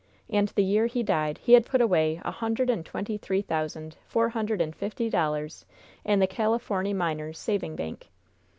"And the year he died he had put away a hundred and twenty three thousand, four hundred and fifty dollars in the Californy Miners' Saving Bank.